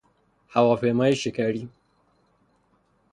هواپیمای شکری